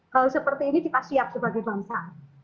hal seperti ini kita siap sebagai bangsa